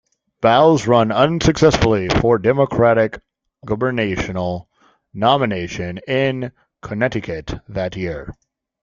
Bowles ran unsuccessfully for the Democratic gubernatorial nomination in Connecticut that year.